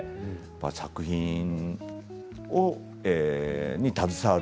作品に携わる。